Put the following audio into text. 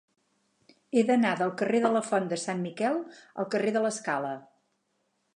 He d'anar del carrer de la Font de Sant Miquel al carrer de l'Escala.